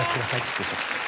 失礼します。